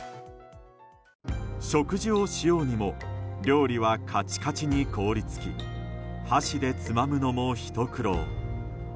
食事をしようにも料理はカチカチに凍り付き箸でつまむのも、ひと苦労。